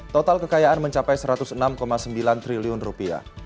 total kekayaan mencapai satu ratus enam sembilan triliun rupiah